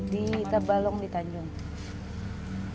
di tabalong di tanjung